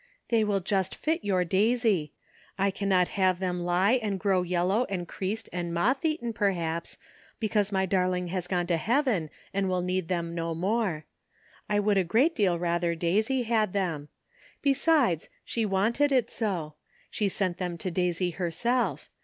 " They will just fit your Daisy. I cannot have them lie and grow yellow and creased and moth eaten, perhaps, because my darling has gone to Heaven and will need them no more. I would a great deal rather Daisy had them. Besides, she wanted it so. She sent them to Daisy herself.